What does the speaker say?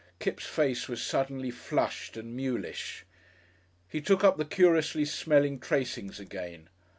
Kipps' face was suddenly flushed and mulish. He took up the curiously smelling tracings again.